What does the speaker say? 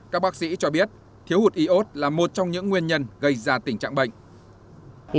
các bác sĩ cho biết thiếu hụt iốt là một trong những nguyên nhân gây ra tình trạng bệnh